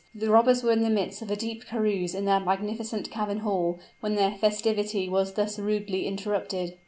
The robbers were in the midst of a deep carouse in their magnificent cavern hall, when their festivity was thus rudely interrupted.